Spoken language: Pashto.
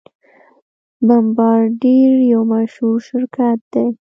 بمبارډیر یو مشهور شرکت دی.